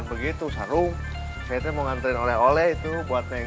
bebork sama sama ke sini saja yang bok lanjutkan